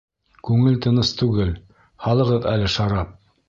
Күңел тыныс түгел, һалығыҙ әле шарап!